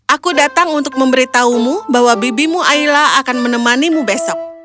aku datang untuk memberitahumu bahwa bibimu aila akan menemanimu besok